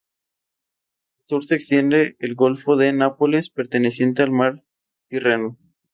No obstante, existen una serie de elementos obligatorios en casi todas las legislaciones.